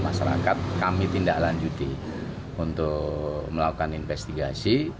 masyarakat kami tindak lanjuti untuk melakukan investigasi